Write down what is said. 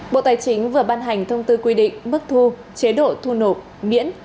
bộ tài chính vừa ban hành thông tư quy định mức thu chế độ thu nộp miễn